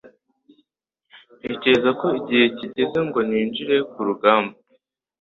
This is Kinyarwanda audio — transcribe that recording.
Ntekereza ko igihe kigeze ngo ninjire kurugamba